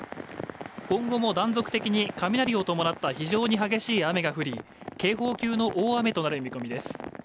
今後も断続的に雷を伴った非常に激しい雨が降り警報級の大雨となる見込みです